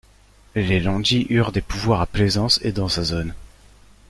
Les Landi eurent des pouvoirs à Plaisance et dans sa zone.